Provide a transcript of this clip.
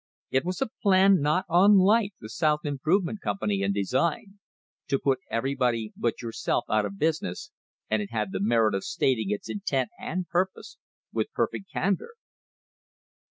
It was a plan not unlike the South Improvement Company in design — to put everybody but yourself out of business, and it had the merit of stating its intent and purpose with perfect candour.